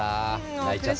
泣いちゃった。